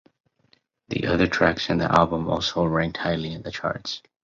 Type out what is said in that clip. The other tracks in the album also ranked highly in the charts.